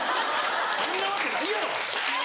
そんなわけないやろ！